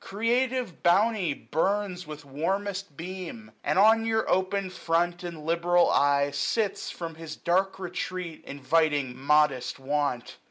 Creative Bounty burns 876 With warmest beam ; and on your open front And liberal eye, sits, from his dark retreat Inviting modest want.